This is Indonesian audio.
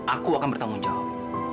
aku akan bertanggung jawab